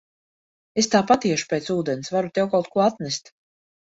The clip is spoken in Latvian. Es tāpat iešu pēc ūdens, varu tev kaut ko atnest.